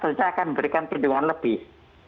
pemerintah itu akan memberikan perlindungan lebih